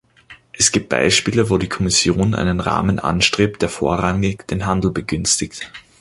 Es gibt Beispiele, wo die Kommission einen Rahmen anstrebt, der vorrangig den Handel begünstigt.